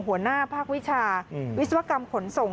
หัวหน้าภาควิชาวิศวกรรมขนส่ง